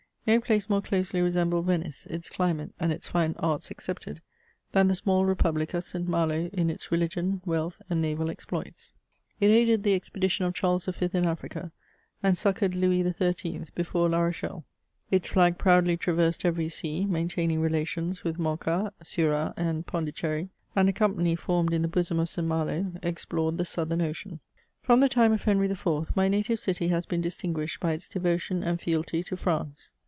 No place more closely resembled Venice, its climate and its fine arts excepted, than the small republic of St. Malo in its religion, wealth, and naval exploits. It aided the expedition of Charles V. in Africa, and succoured Louis XIII. before La Rochelle. Its flag proudly traversed every sea, maintaining relations with Mocha, Surat, and Pondicherry ; and a company formed in the bosom of St. Malo explored the Southern Ocean. From the time of Henry IV., my native city has been distinguished by its devotion and fealty to France.